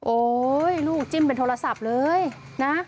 โอ๊ยลูกจิ้มเป็นโทรศัพท์เลยนะ